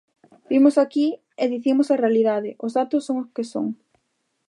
Vimos aquí e dicimos a realidade, os datos son os que son.